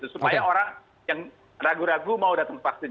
supaya orang yang ragu ragu mau datang vaksin